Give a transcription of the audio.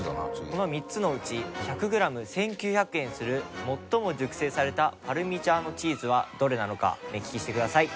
この３つのうち１００グラム１９００円する最も熟成されたパルミジャーノチーズはどれなのか目利きしてください。